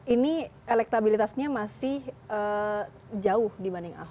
ini elektabilitasnya masih jauh dibanding ahok